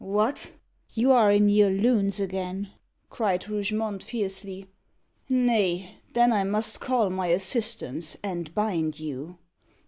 "What, you are in your lunes again!" cried Rougemont fiercely. "Nay, then I must call my assistants, and bind you."